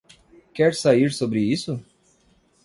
Quer sair sobre isso?